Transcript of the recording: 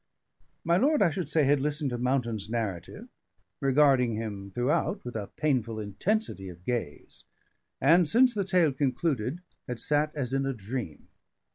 My lord, I should say, had listened to Mountain's narrative, regarding him throughout with a painful intensity of gaze; and, since the tale concluded, had sat as in a dream.